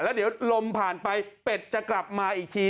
แล้วเดี๋ยวลมผ่านไปเป็ดจะกลับมาอีกที